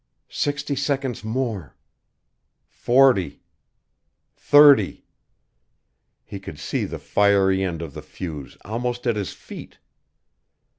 Sixty seconds more forty thirty! He could see the fiery end of the fuse almost at his feet.